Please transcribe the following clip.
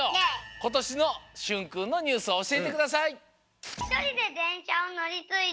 ことしのしゅんくんのニュースおしえてください。